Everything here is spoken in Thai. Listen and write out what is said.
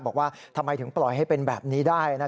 บอกว่าทำไมถึงปล่อยให้เป็นแบบนี้ได้